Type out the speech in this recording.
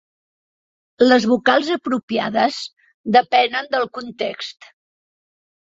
Les vocals apropiades depenen del context.